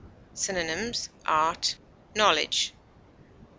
Synonyms: art, knowledge.